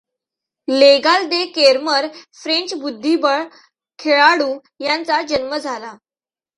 लेगाल de Kermeur, French बुद्धिबळ खेळाडू यांचा जन्म झाला.